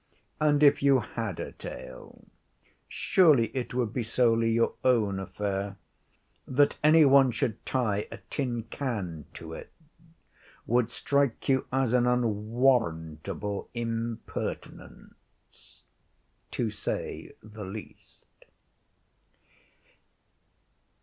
And if you had a tail, surely it would be solely your own affair; that any one should tie a tin can to it would strike you as an unwarrantable impertinence to say the least.